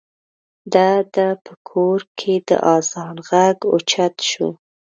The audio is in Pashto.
د ده په کور کې د اذان غږ اوچت شو.